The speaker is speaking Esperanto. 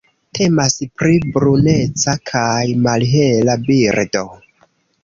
Temas pri bruneca kaj malhela birdo.